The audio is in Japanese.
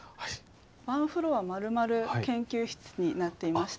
ワンフロアまるまる研究室になっていまして。